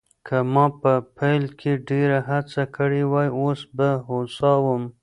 که ما په پیل کې ډېره هڅه کړې وای، اوس به هوسا وم.